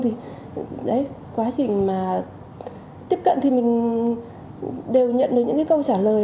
thì quá trình mà tiếp cận thì mình đều nhận được những câu trả lời